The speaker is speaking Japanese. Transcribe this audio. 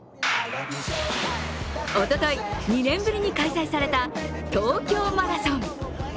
おととい、２年ぶりに開催された東京マラソン。